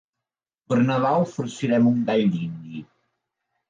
Per Nadal farcirem un gall dindi.